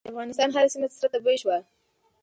د افغانستان هره سیمه سره تبۍ شوه.